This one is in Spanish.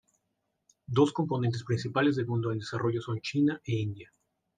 Dos componentes principales del mundo en desarrollo son China e India.